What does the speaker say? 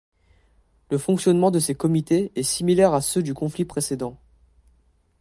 Le fonctionnement de ces comités est similaire à ceux du conflit précédent.